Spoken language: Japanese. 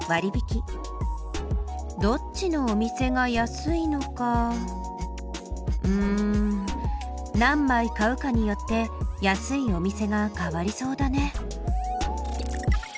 どっちのお店が安いのかうん何枚買うかによって安いお店が変わりそうだね。